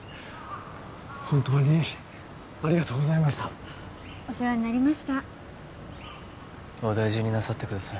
本当にありがとうございましたお世話になりましたお大事になさってください